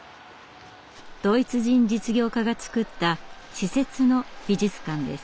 ドイツ人実業家が造った私設の美術館です。